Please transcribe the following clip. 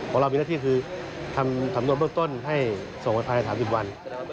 ของเรามีหน้าที่คือทำสำนวนเบื้องต้นให้ส่งไปภายใน๓๐วัน